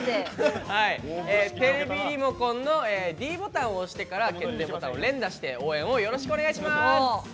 テレビリモコンのｄボタンを押してから決定ボタンを連打して応援よろしくお願いします！